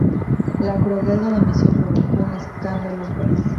La crueldad de la misión provocó un escándalo en París.